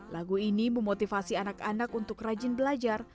lagu ini memotivasi anak anak untuk rajin belajar